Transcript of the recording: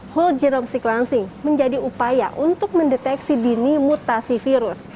whole genome sequencing menjadi upaya untuk mendeteksi dini mutasi virus